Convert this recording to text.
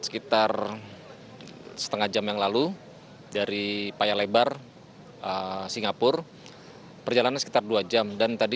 sekitar setengah jam yang lalu dari payalebar singapur perjalannya sekitar dua jam dan tadi